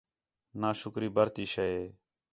نا شُکری بَرتی شے ہِے